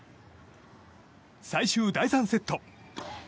最終第３セット。